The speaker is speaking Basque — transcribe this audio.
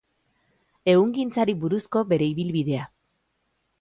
Ehungintzari buruzko bere ibilbidea.